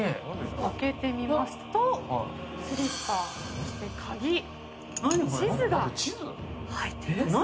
開けてみますとスリッパそして鍵地図が入っています。